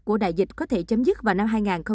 của đại dịch có thể chấm dứt vào năm hai nghìn hai mươi